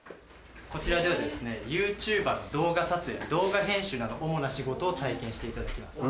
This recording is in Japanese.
こちらではですねＹｏｕＴｕｂｅｒの動画撮影動画編集など主な仕事を体験していただきます。